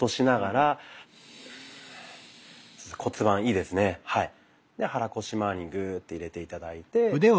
で肚腰まわりにグッと入れて頂いて。